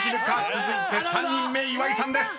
［続いて３人目岩井さんです］